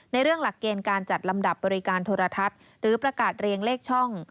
เรื่องหลักเกณฑ์การจัดลำดับบริการโทรทัศน์หรือประกาศเรียงเลขช่อง